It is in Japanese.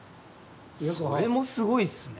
それもすごいっすね。